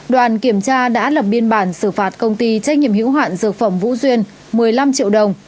đoàn kiểm tra đã lập biên bản xử phạt công ty trách nhiệm hữu hạn dược phẩm vũ duyên một mươi năm triệu đồng